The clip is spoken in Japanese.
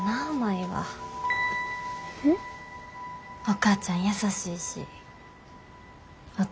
お母ちゃん優しいしお